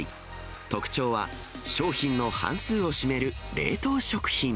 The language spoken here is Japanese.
特徴は、商品の半数を占める冷凍食品。